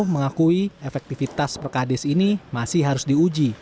mengakui efektivitas perkades ini masih harus diuji